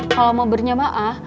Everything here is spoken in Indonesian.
kalau mau bernyamaah